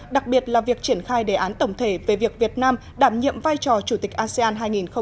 đặc biệt là việc triển khai đề án tổng thể về việc việt nam đảm nhiệm vai trò chủ tịch asean hai nghìn hai mươi